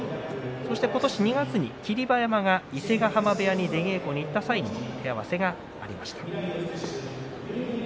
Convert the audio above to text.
今年２月に霧馬山が伊勢ヶ濱部屋に出稽古に行った際手合わせがありました。